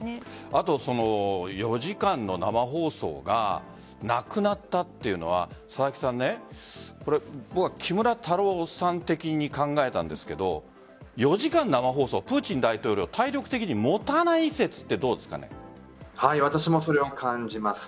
あと、４時間の生放送がなくなったというのは佐々木さん、僕は木村太郎さん的に考えたんですが４時間生放送、プーチン大統領体力的に持たない説って私もそれは感じます。